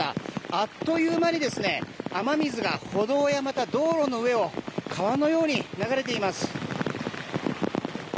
あっという間に雨水が歩道やまた道路の上を川のように流れています。